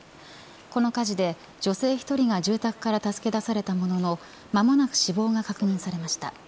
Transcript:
この火事で女性１人が住宅から助け出されたものの間もなく死亡が確認されました。